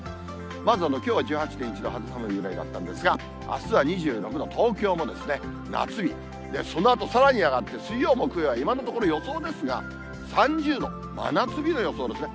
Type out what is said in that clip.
まずはきょうは１８．１度、肌寒いくらいだったんですが、あすは２６度、東京も夏日、そのあとさらに上がって水曜、木曜は今のところ、予想ですが、３０度、真夏日の予想ですね。